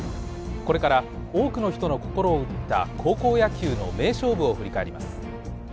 これから多くの人の心を打った高校野球の名勝負を振り返ります。